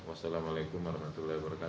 wassalamualaikum warahmatullahi wabarakatuh